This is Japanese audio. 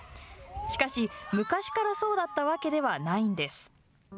しかし、昔からそうだったわけではないんです。